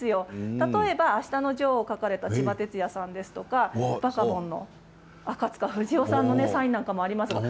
例えば「あしたのジョー」を書かれたちばてつやさんですとか「バカボン」の赤塚不二夫さんのサインもあります。